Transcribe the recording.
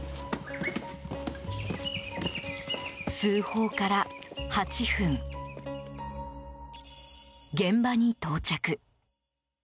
通報から８分、現場に到着。